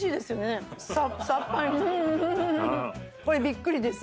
これびっくりです。